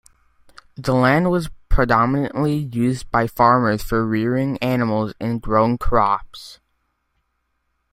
The land was predominantly used by farmers for rearing animals and growing crops.